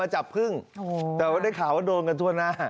จับครึ่งแต่ว่าได้ข่าวว่าโดนกันทั่วหน้า